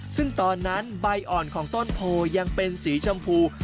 ซึ่งตอนนั้นใบอ่อนของต้นโพยังเป็นสีชมพู